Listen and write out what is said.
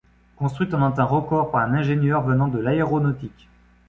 Construite en un temps record par un ingénieur venant de l'aéronautique.